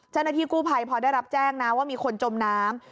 เจ้าหน้าที่กู้ภัยพอได้รับแจ้งนะว่ามีคนจมน้ำ